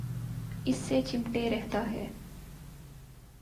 اس سے چمٹے رہتا ہے۔